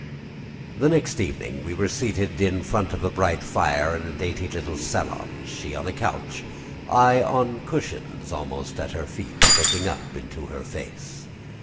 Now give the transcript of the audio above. The next evening we were seated in front of a bright fire in a dainty little salon, she on a couch, I on cushions almost at her feet, looking up into her face.